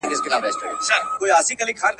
سردار اکبرخان د سرتېرو ځواک وڅار.